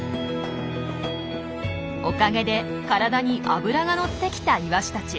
おかげで体に脂が乗ってきたイワシたち。